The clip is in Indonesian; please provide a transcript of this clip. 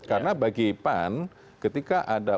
sebenarnya bagaimana ketika ada